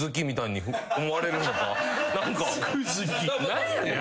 何やねん？